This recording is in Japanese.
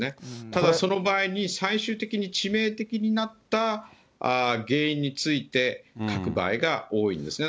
ただ、その場合に最終的に致命的になった原因について書く場合が多いんですね。